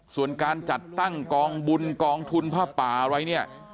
ส่วนการจัดตั้งกองบุญกองทุนผ้าป่าอะไรเนี่ย